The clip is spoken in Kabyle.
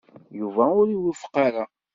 Yuba ur iwufeq ara.